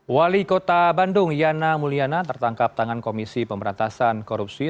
wali kota bandung yana mulyana tertangkap tangan komisi pemberantasan korupsi